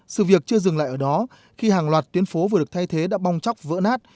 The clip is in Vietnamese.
sự việc chưa dừng lại ở đó khi hàng loạt tuyến phố vừa được thay thế đã bong chóc vỡ nát